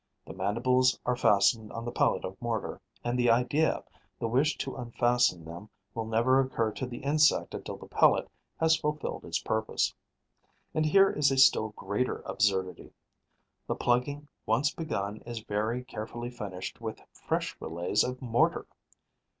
The mandibles are fastened on the pellet of mortar; and the idea, the wish to unfasten them will never occur to the insect until the pellet has fulfilled its purpose. And here is a still greater absurdity: the plugging once begun is very carefully finished with fresh relays of mortar!